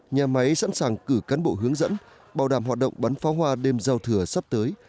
nhà máy sẵn sàng cử cán bộ hướng dẫn bảo đảm hoạt động bắn pháo hoa đêm giao thừa sắp tới